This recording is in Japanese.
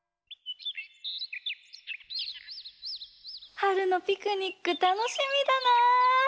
はるのピクニックたのしみだな！